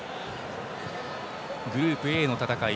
グループＡの戦い。